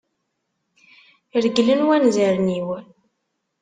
Reglen wanzaren-iw.